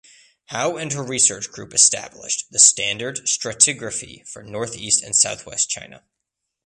Hao and her research group established the standard stratigraphy for northeast and southwest China.